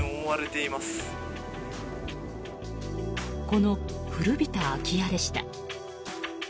この古びた空き家でした。